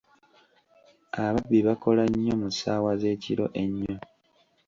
Ababbi bakola nnyo mu ssaawa z'ekiro ennyo.